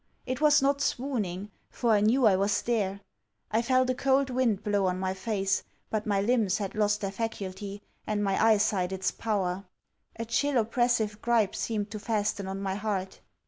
It was not swooning, for I knew I was there. I felt the cold wind blow on my face, but my limbs had lost their faculty, and my eye sight its power. A chill oppressive gripe seemed to fasten on my heart.